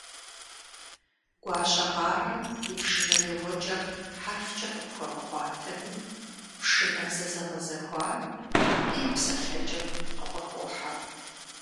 Гуащэкъарэ и пшынэ еуэкӀэр хьэрфкӀэ къыпхуэмыӀуатэми, пшынэбзэ зэгъэзэхуар абы и псэлъэкӀэм къыфӀыхохьэ.